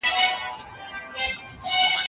پوهنه د ټولنې سترګې دي.